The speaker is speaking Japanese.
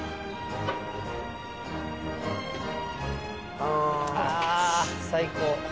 あぁ最高。